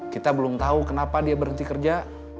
kita belum tahu kenapa dia berhenti kerja